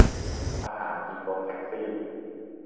ทหารยิงรถแท็กซี่